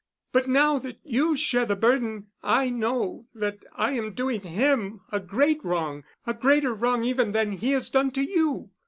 But now that you share the burden I know that I am doing him a great wrong—a greater wrong even than he has done to you.